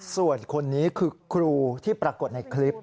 ส่วนคนนี้คือครูที่ปรากฏในคลิป